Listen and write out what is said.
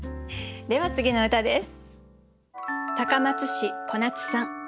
では次の歌です。